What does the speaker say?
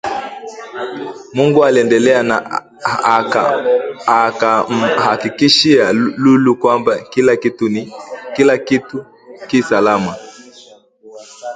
Muuguzi aliendelea na akamhakikishia Lulu kwamba kila kitu ki salama